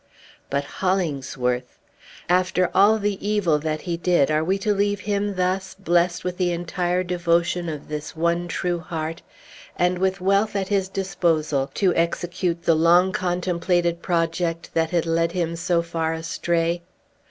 But Hollingsworth! After all the evil that he did, are we to leave him thus, blest with the entire devotion of this one true heart, and with wealth at his disposal to execute the long contemplated project that had led him so far astray?